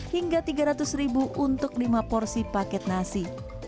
hingga tiga ratus untuk lima porsi paket nasi